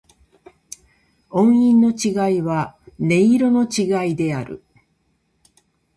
音韻の違いは、音色の違いである。